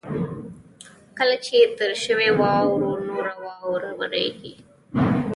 کله چې پر شوې واوره نوره واوره ورېږي.